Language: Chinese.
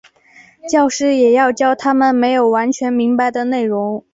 教师也要教他们没有完全明白的内容。